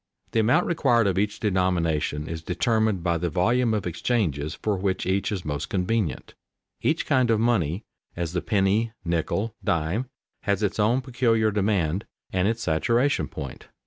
The amount required of each denomination is determined by the volume of exchanges for which each is most convenient. Each kind of money, as the penny, nickel, dime, has its own peculiar demand and its saturation point.